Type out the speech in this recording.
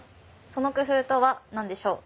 その工夫とは何でしょう？